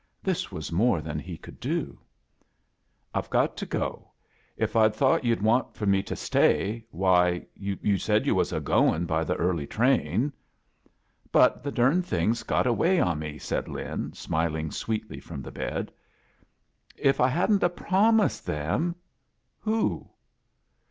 This was more than he could do I "I've got to go. If V6 thought you'd want for me to stay — why, yoo said you was a going by the early train." "But the durned thing's got away on me," said Lin, smiling sweetly from the bed. "If I hadn't a promised them —" "Who?"